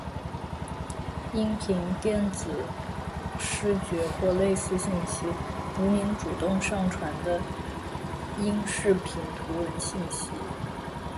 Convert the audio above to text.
·音频、电子、视觉或类似信息。如您主动上传的音视频、图文信息。